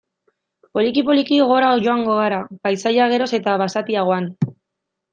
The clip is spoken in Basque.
Poliki-poliki gora joango gara, paisaia geroz eta basatiagoan.